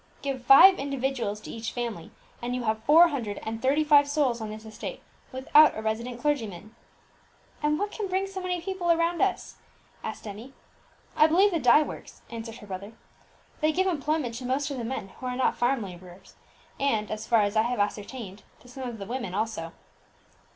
Give five individuals to each family, and you have four hundred and thirty five souls on this estate, without a resident clergyman." "And what can bring so many people around us?" asked Emmie. "I believe the dye works," answered her brother. "They give employment to most of the men who are not farm labourers, and, as far as I have ascertained, to some of the women also."